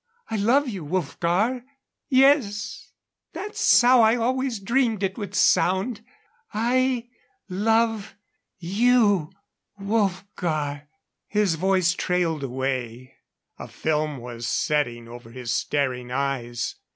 "I love you, Wolfgar." "Yes that's how I always dreamed it would sound. I love you Wolfgar." His voice trailed away; a film was settling over his staring eyes.